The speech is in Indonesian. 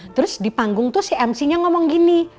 terus di panggung tuh si mc nya ngomong gini